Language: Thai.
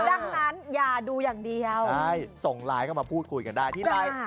ดังนั้นอย่าดูอย่างเดียวใช่ส่งไลน์เข้ามาพูดคุยกันได้ที่ไลน์